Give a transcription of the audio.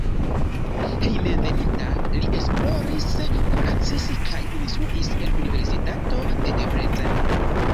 Hejmenveninta li esploris, kuracis kaj instruis en universitato de Debrecen.